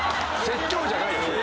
説教じゃないよ。